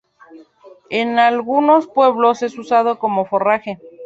En algunos pueblos es usado como forraje.